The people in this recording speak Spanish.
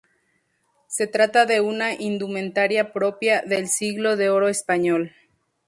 Se trata de una indumentaria propia del siglo de oro español.